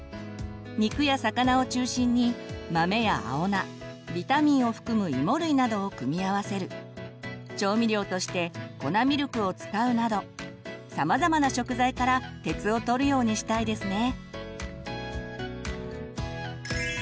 肉や魚を中心に豆や青菜ビタミンを含むいも類などを組み合わせる調味料として粉ミルクを使うなどさまざまな食材から鉄をとるようにしたいですね。